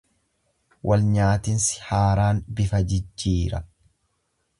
Walnyaatinsi haaraan bifa jijjiira.